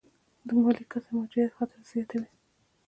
د مالي کسر موجودیت خطر زیاتوي.